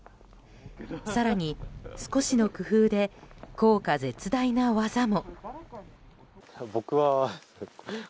更に少しの工夫で効果絶大な技も。